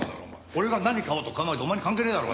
俺が何買おうと買うまいとお前に関係ねえだろ